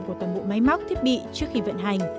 của toàn bộ máy móc thiết bị trước khi vận hành